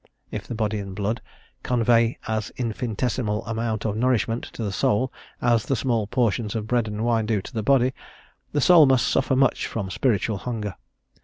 If the body and blood convey as infinitesimal an amount of nourishment to the soul as the small portions of bread and wine do to the body, the soul must suffer much from spiritual hunger.